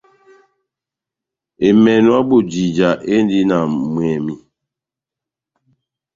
Emènò ya bojija endi na mwɛmi.